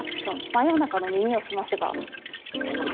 ・「真夜中の耳をすませば」